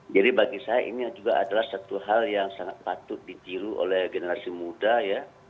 jadi bagi saya ini juga adalah satu hal yang sangat patut ditiru oleh generasi muda ya